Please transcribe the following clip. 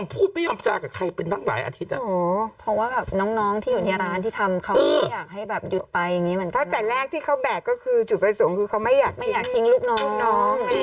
แต่แรกที่เขาแบกก็คือจุดไปส่งคือเขาไม่อยากทิ้งลูกน้อง